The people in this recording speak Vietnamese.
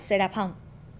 xe đạp hỏng